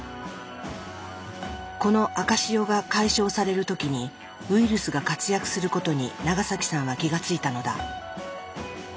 この赤潮が解消される時にウイルスが活躍することに長さんは気が付いたのだ。